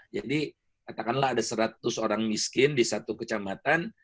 jadi katakanlah ada seratus orang miskin di satu kecamatan